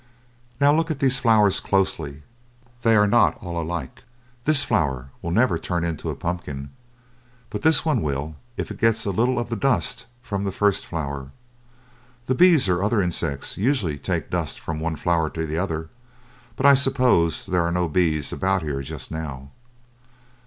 "Now look at these flowers closely; they are not all alike. This flower will never turn into a pumpkin, but this one will if it gets a little of the dust from the first flower. The bees or other insects usually take the dust from one flower to the other, but I suppose there are no bees about here just now?"